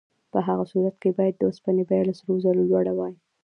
په هغه صورت کې باید د اوسپنې بیه له سرو زرو لوړه وای.